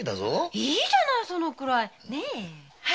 いいじゃないそのくらいねえ。